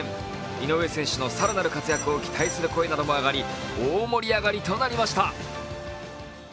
井上選手の更なる活躍を期待する声なども上がり大盛り上がりとなりました。